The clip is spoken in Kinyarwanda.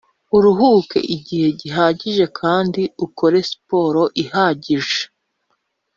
uruhuke igihe gihagije kandi ukore siporo ihagije